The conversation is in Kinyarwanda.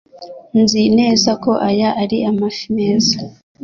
Nzi neza ko aya ari amafi meza.